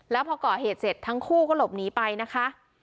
แล้วพอก่อเหตุเสร็จทั้งคู่ก็หลบหนีไปนะคะ